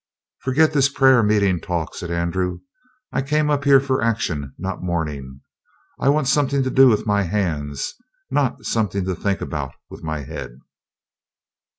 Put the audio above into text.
"Forget this prayer meeting talk," said Andrew. "I came up here for action, not mourning. I want something to do with my hands, not something to think about with my head!"